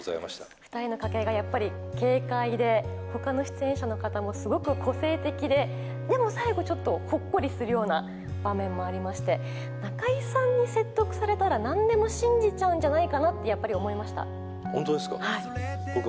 ２人の掛け合いがやっぱり軽快で、ほかの出演者の方もすごく個性的で、でも最後ちょっとほっこりするような場面もありまして、中井さんに説得されたら、なんでも信じちゃうんじゃないかなとやっぱり思本当ですか。